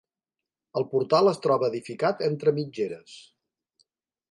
El portal es troba edificat entre mitgeres.